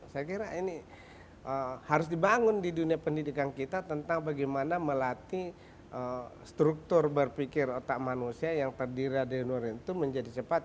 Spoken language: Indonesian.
saya kira ini harus dibangun di dunia pendidikan kita tentang bagaimana melatih struktur berpikir otak manusia yang terdiri dari nurin itu menjadi cepat